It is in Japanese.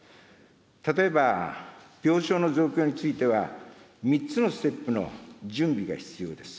例えば病床の増強については、３つのステップの準備が必要です。